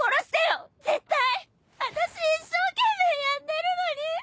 あたし一生懸命やってるのに。